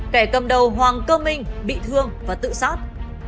kẻ cầm đầu hoàng cơ minh bị thương và tự sát